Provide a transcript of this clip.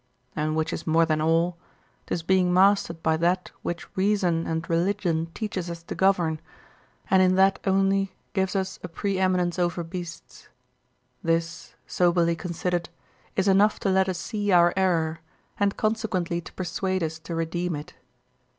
And which is more than all, 'tis being mastered by that which reason and religion teaches us to govern, and in that only gives us a pre eminence over beasts. This, soberly consider'd, is enough to let us see our error, and consequently to persuade us to redeem it.